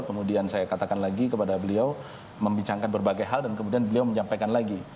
kemudian saya katakan lagi kepada beliau membincangkan berbagai hal dan kemudian beliau menyampaikan lagi